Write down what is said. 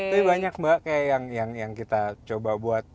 tapi banyak mbak kayak yang kita coba buat